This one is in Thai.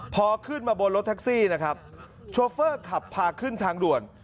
พอขึ้นมาบนรถแท็กซี่นะครับโชเฟอร์ขับพาขึ้นทางด่วน